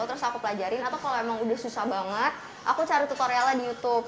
terus aku pelajarin atau kalau emang udah susah banget aku cari tutorialnya di youtube